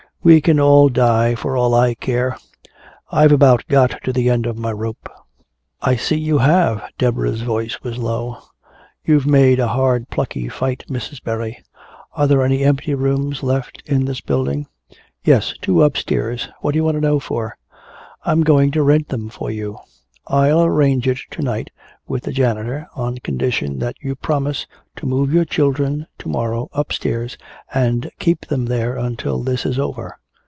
"We can all die for all I care! I've about got to the end of my rope!" "I see you have." Deborah's voice was low. "You've made a hard plucky fight, Mrs. Berry. Are there any empty rooms left in this building?" "Yes, two upstairs. What do you want to know for?" "I'm going to rent them for you. I'll arrange it to night with the janitor, on condition that you promise to move your children to morrow upstairs and keep them there until this is over.